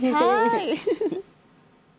はい。